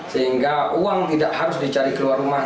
sehingga uang tidak harus dicari keluar rumah